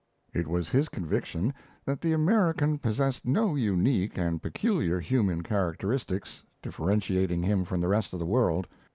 It was his conviction that the American possessed no unique and peculiar human characteristics differentiating him from the rest of the world.